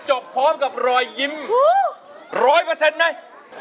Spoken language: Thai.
จริงเนี่ย